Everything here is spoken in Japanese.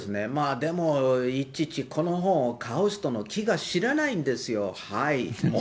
でもいちいちこの本を買う人の気が知れないんですよ。